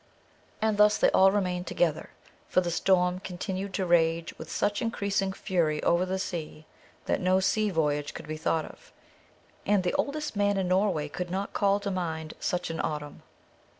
And thus they all remained together; for the storm continued to rage with such increasing fury over the sea, that no sea voyage could be thought of, and the oldest man in Norway could not call to mind such an autumn.